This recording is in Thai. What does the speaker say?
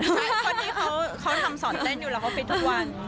เพราะที่เขาทำสอนเต้นอยู่แล้วเขาปิดทุกวัน